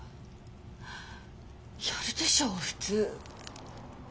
やるでしょ普通。